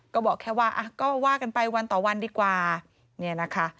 ก็บอกแค่ว่าอ่ะก็ว่ากันไปวันต่อวันดีกว่าเนี่ยนะคะ